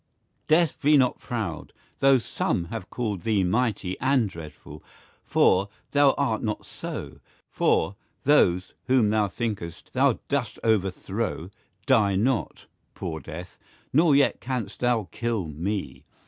Death be not proud, though some have called thee Mighty and dreadfull, for, thou art not soe, For, those, whom thou think'st, thou dost overthrow, Die not, poore death, nor yet canst thou kill mee.